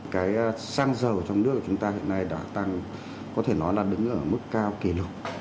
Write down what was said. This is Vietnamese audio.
cái xăng dầu trong nước của chúng ta hiện nay đã tăng có thể nói là đứng ở mức cao kỷ lục